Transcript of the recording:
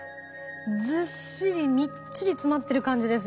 ずっしりみっちり詰まってる感じです。